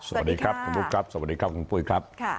สวัสดีครับคุณบุ๊คครับสวัสดีครับคุณปุ้ยครับ